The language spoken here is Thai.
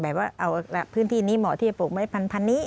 แบบว่าเอาพื้นที่นี้เหมาะที่จะปลูกเมล็ดพันธุ์พันนี้